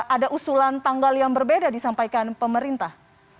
ada usulan tanggal yang berbeda disampaikan pemerintah